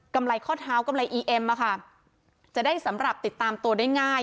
ไรข้อเท้ากำไรอีเอ็มอะค่ะจะได้สำหรับติดตามตัวได้ง่าย